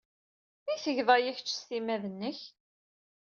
I tged aya kecc s timmad-nnek?